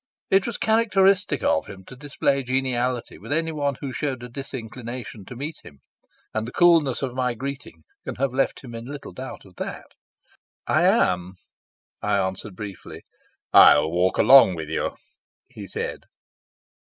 It was characteristic of him to display geniality with anyone who showed a disinclination to meet him, and the coolness of my greeting can have left him in little doubt of that. "I am," I answered briefly. "I'll walk along with you," he said.